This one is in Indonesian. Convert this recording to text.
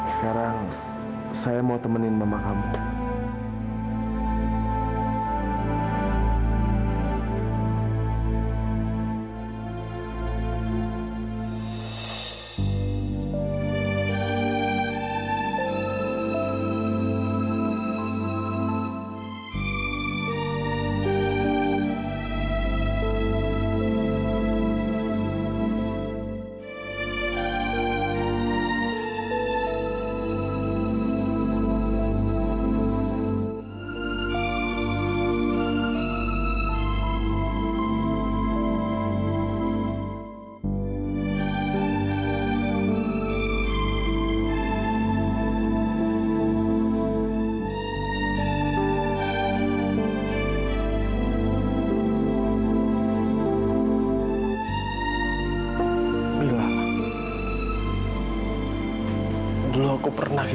sekarang saya mau temenin mama kamu